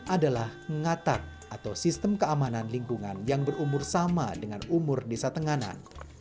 adalah ngatak atau sistem keamanan lingkungan yang berumur sama dengan umur desa tenganan